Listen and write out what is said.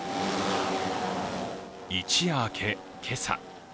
一夜明け、今朝。